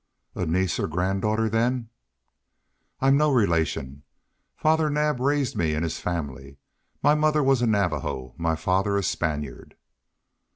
"A niece or granddaughter, then?" "I'm no relation. Father Naab raised me in his family. My mother was a Navajo, my father a Spaniard."